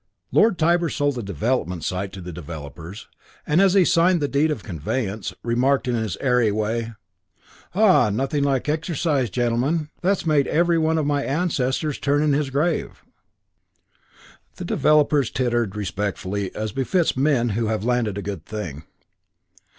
Lord Tybar sold the Development site to the developers, and, as he signed the deed of conveyance, remarked in his airy way, "Ah, nothing like exercise, gentlemen. That's made every one of my ancestors turn in his grave." The developers tittered respectfully as befits men who have landed a good thing.